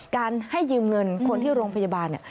การให้ยืมเงินคนที่โรงพยาบาลเนี่ย